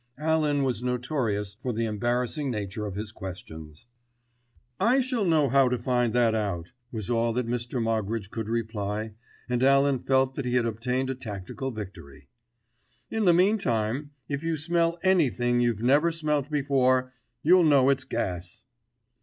Alan was notorious for the embarrassing nature of his questions. "I shall know how to find that out," was all that Mr. Moggridge could reply, and Alan felt that he had obtained a tactical victory. "In the meantime, if you smell anything you've never smelt before you'll know it's gas."